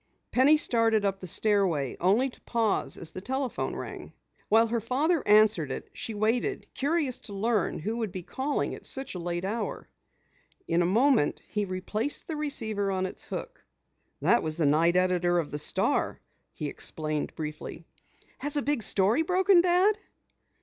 Penny started up the stairway, only to pause as the telephone rang. While her father answered it, she waited, curiously to learn who would be calling at such a late hour. In a moment he replaced the receiver on its hook. "That was the night editor of the Star," he explained briefly. "Has a big story broken, Dad?"